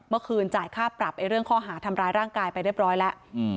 จ่ายค่าปรับเรื่องข้อหาทำร้ายร่างกายไปเรียบร้อยแล้ว